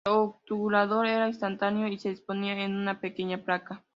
El obturador era instantáneo y se disponía en una pequeña placa.